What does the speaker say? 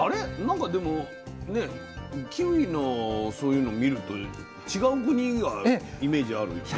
なんかでもねキウイのそういうの見ると違う国がイメージあるよね。